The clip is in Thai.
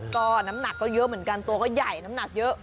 ก็น้ำหนักก็เยอะเหมือนกันตัวก็ใหญ่น้ำหนักเยอะ